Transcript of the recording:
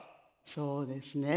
そうですね。